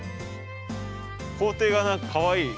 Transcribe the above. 校庭が何かかわいい。